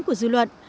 của dư luận